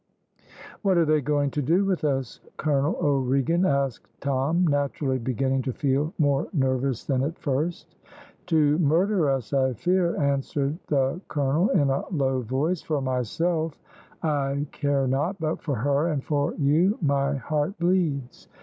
"What are they going to do with us, Colonel O'Regan?" asked Tom, naturally beginning to feel more nervous than at first. "To murder us, I fear," answered the colonel, in a low voice; "for myself, I care not, but for her and for you my heart bleeds.